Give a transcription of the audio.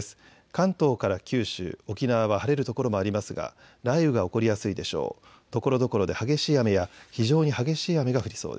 関東から九州、沖縄は晴れる所もありますが雷雨が起こりやすいでしょう。